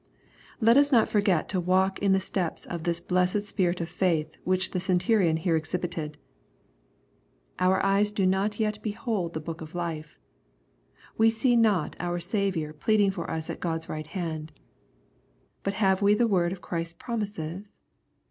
Let us not forget to walk in the steps of this blessed spirit of faith which the centurion here exhibited. Our eyes do not yet behold the book of life. We see not our Saviour pleading for us at God's right hand« But have we the word of Christ's promises